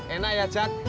enak ya jak